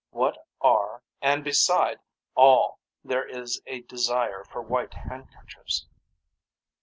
What are and beside all there is a desire for white handkerchiefs.